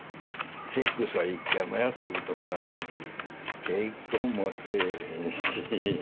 セックスは一回もやったこともないし結婚もせえへんし